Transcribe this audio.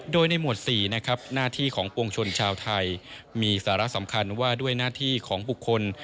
โดยในหมวด๔นะครับหน้าที่ของปวงชนชาวไทยมีสาระสำคัญว่าด้วยหน้าที่ของบุคคล